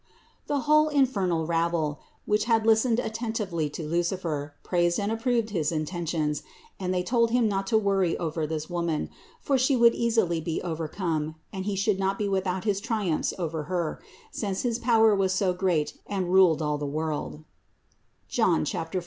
325. The whole infernal rabble, which had listened attentively to Lucifer, praised and approved his inten tions, and they told him not to worry over this Woman, for She would easily be overcome and he should not be without his triumphs over Her, since his power was so great and ruled all the world (John 14, 30).